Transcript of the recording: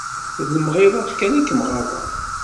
d lemɣiḍat kan i kem-ɣaḍeɣ.